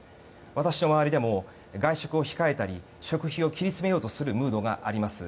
私の周りでも外食を控えたり食費を切り詰めようとするムードがあります。